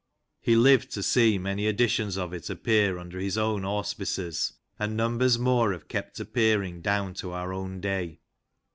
He lived to see many editions of it appear under his own auspices, and numbers more have kept appearing down to our own day.